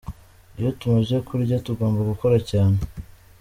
Iyo tumaze kurya tugomba gukora cyane.